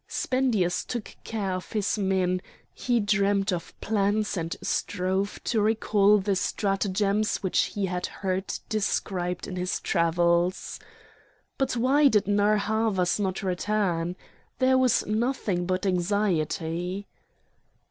Spendius took care of his men; he dreamed of plans and strove to recall the stratagems which he had heard described in his travels. But why did Narr' Havas not return? There was nothing but anxiety.